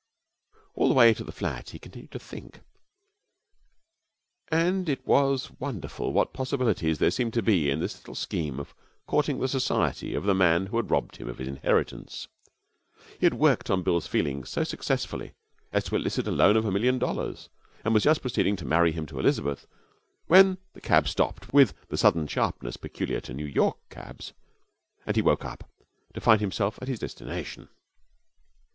All the way to the flat he continued to think, and it was wonderful what possibilities there seemed to be in this little scheme of courting the society of the man who had robbed him of his inheritance. He had worked on Bill's feelings so successfully as to elicit a loan of a million dollars, and was just proceeding to marry him to Elizabeth, when the cab stopped with the sudden sharpness peculiar to New York cabs, and he woke up, to find himself at his destination.